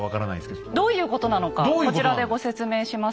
どういうことなのかこちらでご説明しますね。